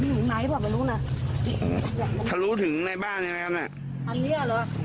อยู่ไหนว่าไม่รู้น่ะถ้ารู้ถึงในบ้านไอ้แม่อันเนี้ยหรอ